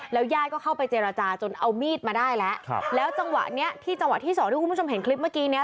ยาดก็เข้าไปเจรจาจนเอามีดมาได้แล้วแล้วจังหวะเนี้ยที่จังหวะที่สองที่คุณผู้ชมเห็นคลิปเมื่อกี้เนี้ย